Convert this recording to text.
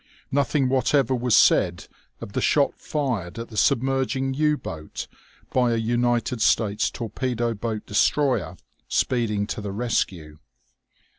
Nothing whatever was said of the shot fired at the submerging U boat by a United States torpedo boat destroyer speeding to the rescue.